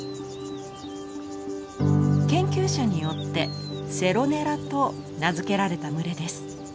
研究者によって「セロネラ」と名付けられた群れです。